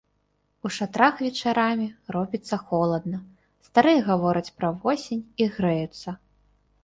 У шатрах вечарамі робіцца холадна, старыя гавораць пра восень і грэюцца.